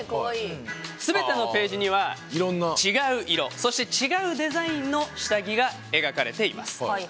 全てのページには違う色そして違うデザインの下着が描かれています。